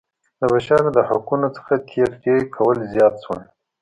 د بشر د حقونو څخه تېری کول زیات شول.